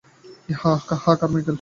হ্যাঁ, কারমাইকেল।